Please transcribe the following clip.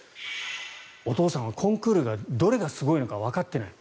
お父さんはコンクールがどれがすごいのかわかってない。